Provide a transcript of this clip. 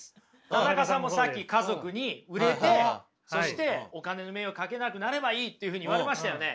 田中さんもさっき家族に売れてそしてお金の迷惑かけなくなればいいというふうに言われましたよね？